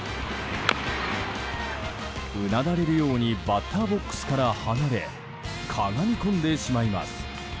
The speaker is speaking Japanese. うなだれるようにバッターボックスから離れかがみ込んでしまいます。